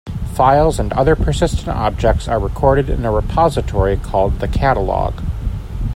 Files and other persistent objects are recorded in a repository called the Catalogue.